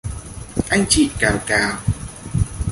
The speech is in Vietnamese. Anh chị cào cào